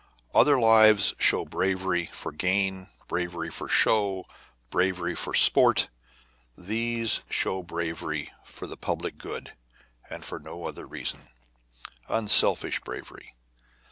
Other lives show bravery for gain, bravery for show, bravery for sport; these show bravery for the public good and for no other reason unselfish bravery.